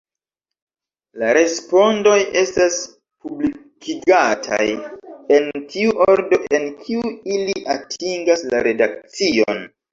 La respondoj estas publikigataj en tiu ordo, en kiu ili atingas la redakcion.